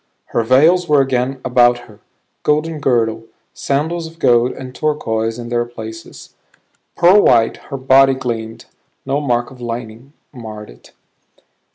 Her veils were again about her; golden girdle, sandals of gold and turquoise in their places. Pearl white her body gleamed; no mark of lightning marred it.